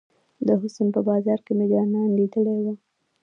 د حسن په بازار کې مې جانان ليدلی وه.